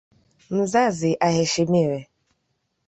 Mzazi aheshimiwe.